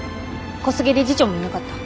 小菅理事長もいなかった。